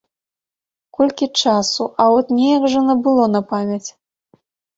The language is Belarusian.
Колькі часу, а от неяк жа набыло на памяць.